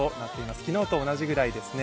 昨日と同じぐらいですね。